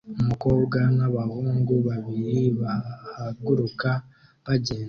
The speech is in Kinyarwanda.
Umukobwa n'abahungu babiri bahaguruka bagenda